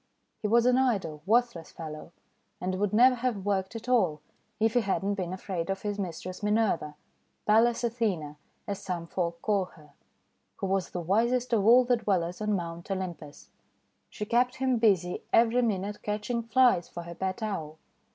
He was an idle, worthless fellow, and would never have worked at all, if he had not been afraid of his mistress Minerva, — Pallas Athena as some folk call her, — who was the wisest of all the Dwellers on Mount Olympus. She kept him busy every minute catching Flies for her pet Owl.